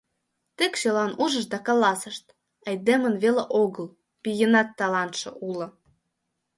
Тек чылан ужышт да каласышт: айдемын веле огыл — пийынат талантше уло.